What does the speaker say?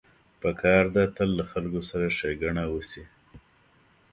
پکار ده تل له خلکو سره ښېګڼه وشي.